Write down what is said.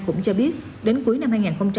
cũng cho biết đến cuối năm hai nghìn hai mươi